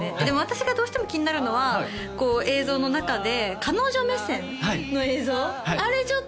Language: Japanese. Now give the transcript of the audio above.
でも私がどうしても気になるのはこう映像の中で彼女目線の映像はいはい